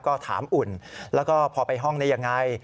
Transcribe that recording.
ก็ถามอุ่นแล้วก็พอไปห้องได้ยังไง